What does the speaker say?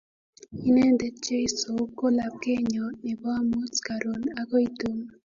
Inendet Jeso ko lapkeyenyo nebo amut, karon akoi tun